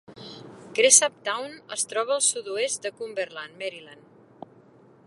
Cresaptown es troba al sud-oest de Cumberland, Maryland.